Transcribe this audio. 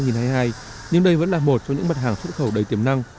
nhưng đây vẫn là một trong những mặt hàng xuất khẩu đầy tiềm năng